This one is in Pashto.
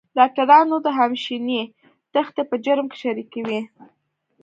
ډاکټرانو د همېشنۍ تېښتې په جرم کې شریکې وې.